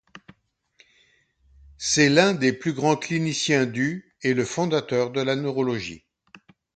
C’est l’un des plus grands cliniciens du et le fondateur de la neurologie.